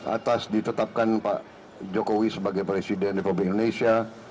atas ditetapkan pak jokowi sebagai presiden republik indonesia